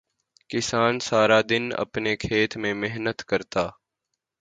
کسان سارا دن اپنے کھیت میں محنت کرتا